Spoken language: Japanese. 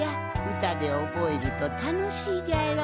うたでおぼえるとたのしいじゃろ？